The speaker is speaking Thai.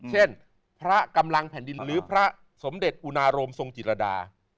เช่นพระกำลังแผ่นดินหรือพระสมเด็จอุณาโรมทรงจิตรดา